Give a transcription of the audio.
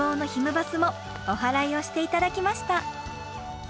バスもおはらいをして頂きました。